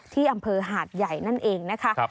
ที่อำเภอหาดใหญ่นั่นเองนะคะ